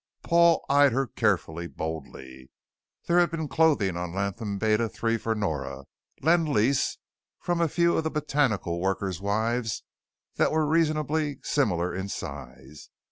Paul eyed her carefully, boldly. There had been clothing on Latham Beta III for Nora, lend lease from a few of the botanical worker's wives that were reasonably similar in size.